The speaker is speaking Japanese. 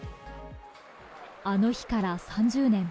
あの日から３０年。